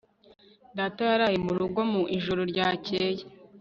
data yaraye mu rugo mu ijoro ryakeye